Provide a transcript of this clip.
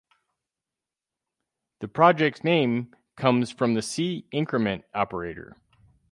The project's name comes from the C increment operator.